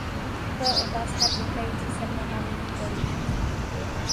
To je otázka týkající se mnoha mých voličů.